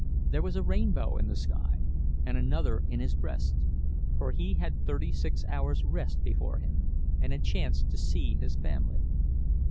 There was a rainbow in the sky, and another in his breast—for he had thirty six hours' rest before him, and a chance to see his family.